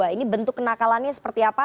ini bentuk kenakalannya seperti apa